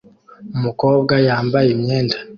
Umukobwa yambaye imyenda